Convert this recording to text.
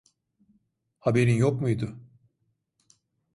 Haberin yok muydu?